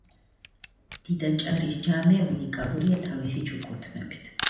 დიდაჭარის ჯამე უნიკალურია თავისი ჩუქურთმებით.